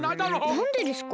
なんでですか？